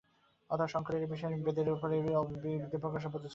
অতএব শঙ্করের ঐ বিষয় নিয়ে বেদের উপর এই অদ্ভুত বিদ্যাপ্রকাশের কোন প্রয়োজন ছিল না।